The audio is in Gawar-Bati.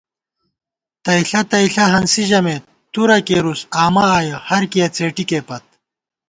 تئیݪہ تئیݪہ ہنسی ژَمېت تُورہ کېرُوس آمہ آیَہ ہرکِیَہ څېٹِکېپت